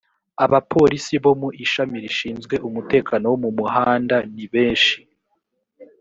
abapolisi bo mu ishami rishinzwe umutekano wo mu muhanda nibeshi.